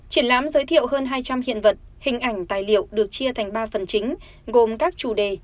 triển lãm giới thiệu hơn hai trăm linh hiện vật hình ảnh tài liệu được chia thành ba phần chính gồm các chủ đề